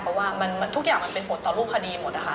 เพราะว่าทุกอย่างมันเป็นผลต่อรูปคดีหมดนะคะ